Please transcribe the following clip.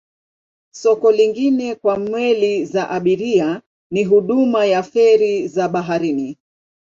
Soko lingine kwa meli za abiria ni huduma ya feri za baharini.